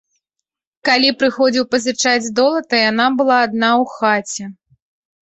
Калі прыходзіў пазычаць долата, яна была адна ў хаце.